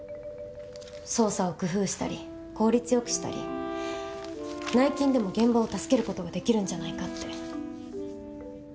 捜査を工夫したり効率よくしたり内勤でも現場を助けることができるんじゃないかって。